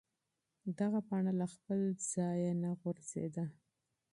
دغه پاڼه له خپل ځایه نه غورځېده.